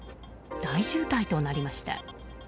大渋滞となりました。